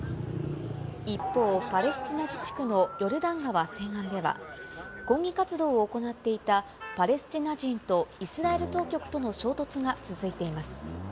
一方、パレスチナ自治区のヨルダン川西岸では、抗議活動を行っていたパレスチナ人とイスラエル当局との衝突が続いています。